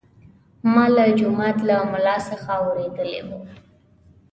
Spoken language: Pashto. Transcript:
ما له جومات له ملا څخه اورېدلي وو.